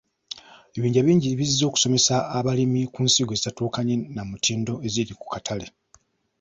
Ebibinja bingi bizze okusomesa abalimi ku nsigo ezitatuukanye na mutindo eziri ku katale.